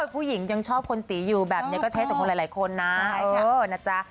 ผู้หญิงยังชอบคนตีอยู่แบบนี้ก็เทสของหลายคนนะเออนะจ๊ะ